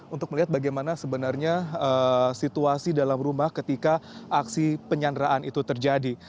untuk melihat bagaimana sebenarnya situasi dalam rumah ketika aksi penyanderaan itu terjadi